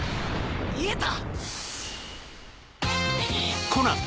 見えた！